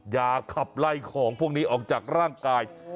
อย่าขับไล่ของพวกนี้ออกจากร่างกาย